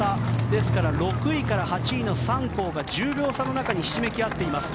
ですから、６位から８位の３校が１０秒差の中にひしめき合っています。